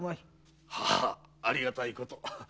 ははっありがたいこと。